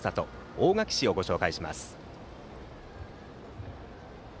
大垣市をご紹介します。